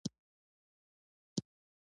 فاریاب د افغانانو د معیشت سرچینه ده.